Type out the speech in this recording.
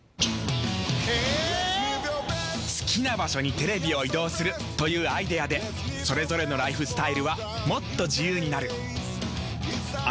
好きな場所にテレビを移動するというアイデアでそれぞれのライフスタイルはもっと自由になる。